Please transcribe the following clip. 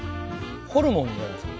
ホルモンじゃないですか。